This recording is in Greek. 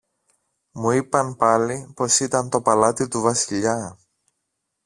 Μου είπαν πάλι πως ήταν το παλάτι του Βασιλιά.